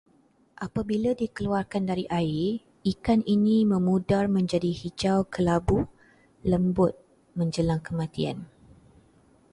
Apabila dikeluarkan dari air, ikan ini memudar menjadi hijau-kelabu lembut menjelang kematian